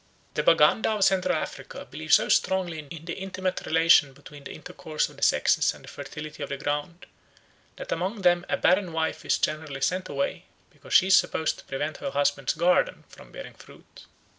The Baganda of Central Africa believe so strongly in the intimate relation between the intercourse of the sexes and the fertility of the ground that among them a barren wife is generally sent away, because she is supposed to prevent her husband's garden from bearing fruit.